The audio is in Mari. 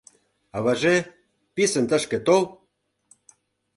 Аваже, писын тышке тол!